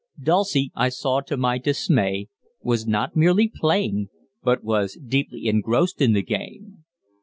Dulcie, I saw to my dismay, was not merely playing, but was deeply engrossed in the game.